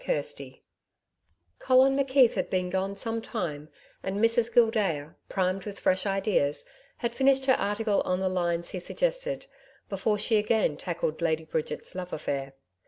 CHAPTER 5 Colin McKeith had been gone some time and Mrs Gildea, primed with fresh ideas, had finished her article on the lines he suggested, before she again tackled Lady Bridget's love affair.